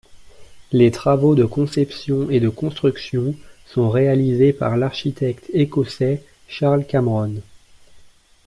Les travaux de conception et de construction sont réalisés par l'architecte écossais Charles Cameron.